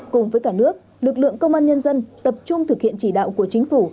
cùng với cả nước lực lượng công an nhân dân tập trung thực hiện chỉ đạo của chính phủ